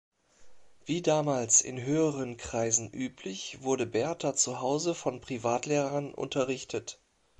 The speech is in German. Wie damals in höheren Kreisen üblich wurde Bertha zu Hause von Privatlehrern unterrichtet.